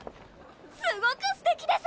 すごくすてきです！